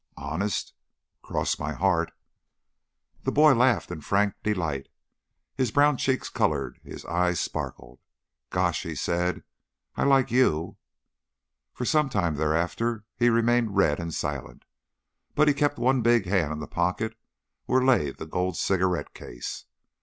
"Honest?" "Cross my heart." The boy laughed in frank delight, his brown cheeks colored, his eyes sparkled. "Gosh!" said he. "I like you!" For some time thereafter he remained red and silent, but he kept one big hand in the pocket where lay the gold cigarette case.